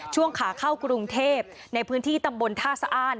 ช่วงขาเข้ากรุงเทพในพื้นที่ตำบลท่าสะอ้าน